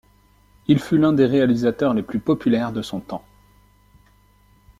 Il fut l'un des réalisateurs les plus populaires de son temps.